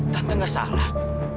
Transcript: tante gak salah